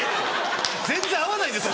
全然合わないですよ